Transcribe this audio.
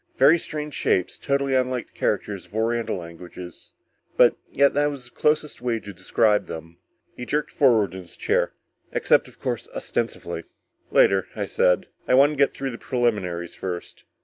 Very strange shapes, totally unlike the characters of Oriental languages, but yet that is the closest way to describe them." He jerked forward in his chair, "Except, of course, ostensively." "Later," I said. I wanted to get through the preliminaries first.